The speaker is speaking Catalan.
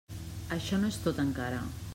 Això no és tot encara.